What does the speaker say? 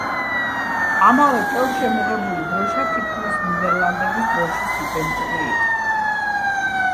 ამავე წელს შემოღებული დროშა თითქმის ნიდერლანდების დროშის იდენტური იყო.